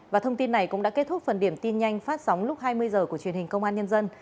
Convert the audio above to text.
và thông tin này cũng đã kết thúc phần điểm tin nhanh phát sóng lúc hai mươi h của truyền hình công an nhân dân